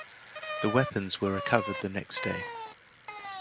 The weapons were recovered the next day.